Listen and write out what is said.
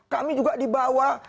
kami juga di bawah